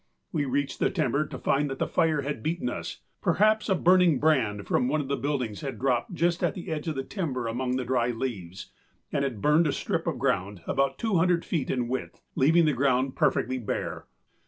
We reached the timber to find that the fire had beaten us. Perhaps a burning brand from one of the buildings had dropped just at the edge of the timber among the dry leaves and had burned a strip of ground about 200 feet in width, leaving the ground perfectly bare.